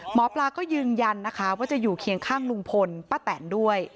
หมอปลาก็ยืนยันนะคะว่าจะอยู่เคียงข้างลุงพลป้าแตนด้วย